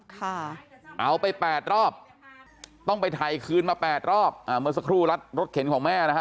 ค่ะเอาไปแปดรอบต้องไปถ่ายคืนมาแปดรอบอ่าเมื่อสักครู่รัฐรถเข็นของแม่นะฮะ